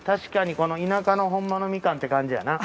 この田舎のほんまのみかんって感じやな。